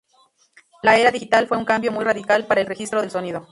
La era digital fue un cambio muy radical para el registro del sonido.